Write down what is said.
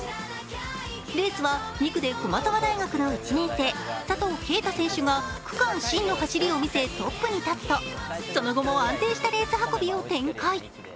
レースは２区で駒沢大学の１年生、佐藤圭汰選手が区間新の走りを見せ、トップに立つとその後も安定したレース運びを展開。